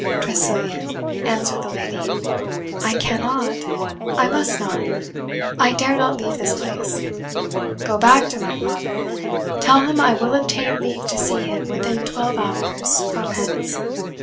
"Tressilian," answered the lady, "I cannot, I must not, I dare not leave this place. Go back to my father tell him I will obtain leave to see him within twelve hours from hence.